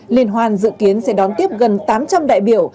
liên hoan dự kiến sẽ đón tiếp gần tám trăm linh đại biểu